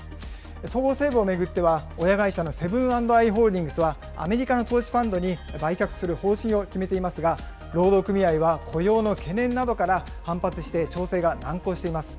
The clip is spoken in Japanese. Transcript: そごう・西武を巡っては、親会社のセブン＆アイ・ホールディングスは、アメリカの投資ファンドに売却する方針を決めていますが、労働組合は雇用の懸念などから反発して調整が難航しています。